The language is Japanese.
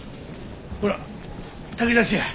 ほら炊き出しや。